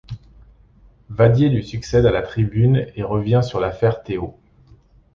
Vadier lui succède à la tribune et revient sur l’affaire Théot.